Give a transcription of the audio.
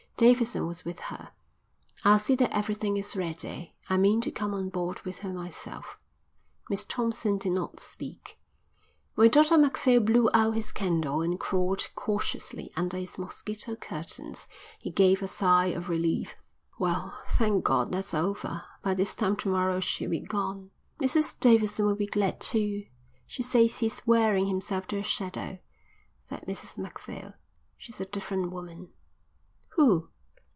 Davidson was with her. "I'll see that everything is ready. I mean to come on board with her myself." Miss Thompson did not speak. When Dr Macphail blew out his candle and crawled cautiously under his mosquito curtains, he gave a sigh of relief. "Well, thank God that's over. By this time to morrow she'll be gone." "Mrs Davidson will be glad too. She says he's wearing himself to a shadow," said Mrs Macphail. "She's a different woman." "Who?"